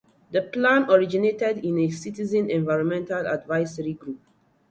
The plan originated in a citizen environmental advisory group.